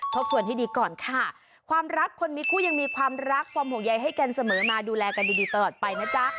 ทบทวนให้ดีก่อนค่ะความรักคนมีคู่ยังมีความรักความห่วงใยให้กันเสมอมาดูแลกันดีดีตลอดไปนะจ๊ะ